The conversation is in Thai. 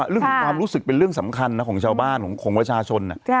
เรื่องของความรู้สึกเป็นเรื่องสำคัญนะของชาวบ้านของประชาชน